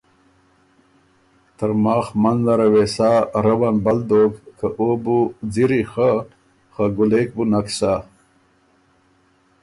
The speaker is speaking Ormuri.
ترماخ منځ نره وې سا روّن بل دوک که او بُو ځِری خۀ، خه ګلېک بُو نک سَۀ۔